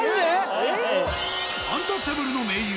アンタッチャブルの盟友。